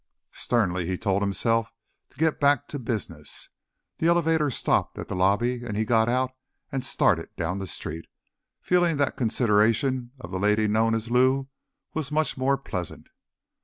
Sternly, he told himself to get back to business. The elevator stopped at the lobby and he got out and started down the street, feeling that consideration of the lady known as Lou was much more pleasant.